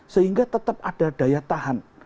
sehingga tetap ada daya tahan